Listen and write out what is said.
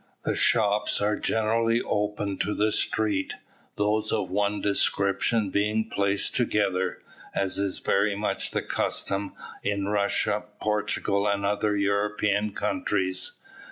The shops are generally open to the street, those of one description being placed together, as is very much the custom in Russia, Portugal, and other European countries.